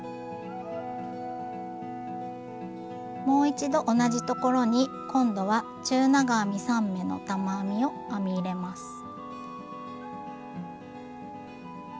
もう一度同じところに今度は中長編み３目の玉編みを編み入れます。